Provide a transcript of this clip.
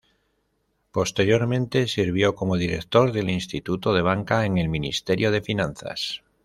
Posteriormente sirvió como director del Instituto de Banca en el Ministerio de Finanzas.